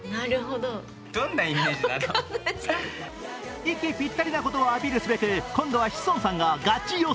息ぴったりなことをアピールすべく今度は志尊さんがガチ予想。